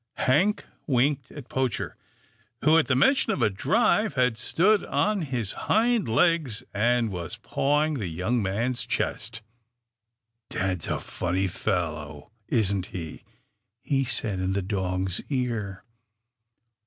Hank winked at Poacher, who, at the mention of a drive, had stood on his hind legs, and was 328 A COTTAGE OF GENTILITY 329 pawing the young man's chest. " Dad's a funny fellow, isn't he?" he said in the dog's ear.